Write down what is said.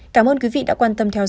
cảm ơn quý vị đã quan tâm theo dõi